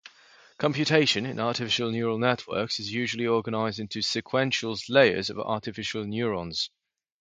Computation in artificial neural networks is usually organized into sequential layers of artificial neurons.